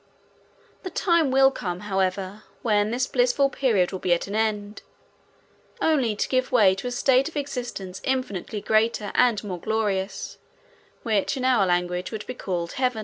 The time will come, however, when this blissful period will be at an end, only to give way to a state of existence infinitely greater and more glorious, which in our language would be called Heaven.